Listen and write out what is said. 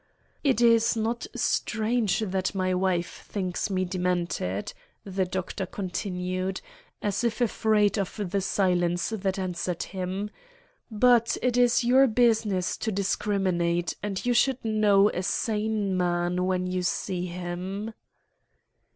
"It is not strange that my wife thinks me demented," the Doctor continued, as if afraid of the silence that answered him. "But it is your business to discriminate, and you should know a sane man when you see him."